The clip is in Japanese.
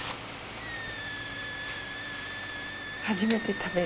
初めて食べる。